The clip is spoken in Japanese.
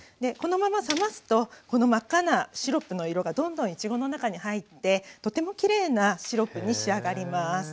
このまま冷ますとこの真っ赤なシロップの色がどんどんいちごの中に入ってとてもきれいなシロップに仕上がります。